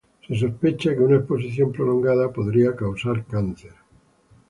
Se sospecha que una exposición prolongada podría causar cáncer.